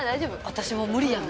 私もう無理やね。